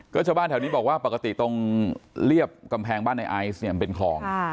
ก็ชาวบ้านแถวนี้บอกว่าปกติตรงเรียบกำแพงบ้านในไอซ์เนี่ยมันเป็นคลอง